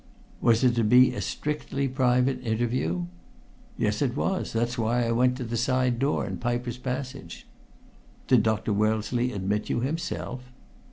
"Was it to be a strictly private interview?" "Yes, it was. That was why I went to the side door in Piper's Passage." "Did Dr. Wellesley admit you himself?"